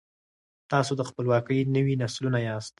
تاسو د خپلواکۍ نوي نسلونه یاست.